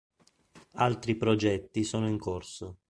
Altri progetti sono in corso.